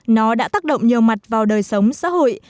nó đã tác động nhiều mặt vào đời sống xã hội